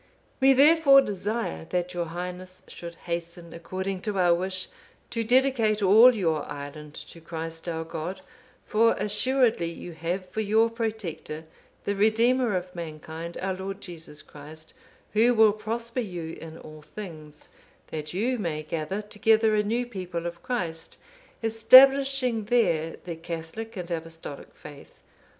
"We therefore desire that your Highness should hasten, according to our wish, to dedicate all your island to Christ our God; for assuredly you have for your Protector, the Redeemer of mankind, our Lord Jesus Christ, Who will prosper you in all things, that you may gather together a new people of Christ, establishing there the Catholic and Apostolic faith.